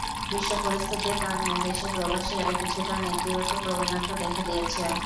বিশ্ব পরিস্থিতির কারণে দেশের প্রবাসী আয়ে কিছুটা নেতিবাচক প্রবণতা দেখা দিয়েছে।